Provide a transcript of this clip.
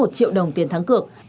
một triệu đồng tiền thắng cược